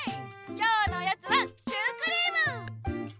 今日のおやつはシュークリーム！